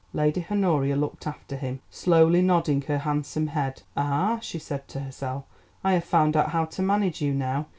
Lady Honoria looked after him, slowly nodding her handsome head. "Ah," she said to herself, "I have found out how to manage you now.